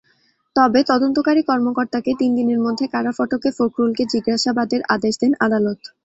তবে তদন্তকারী কর্মকর্তাকে তিন দিনের মধ্যে কারাফটকে ফখরুলকে জিজ্ঞাসাবাদের আদেশ দেন আদালত।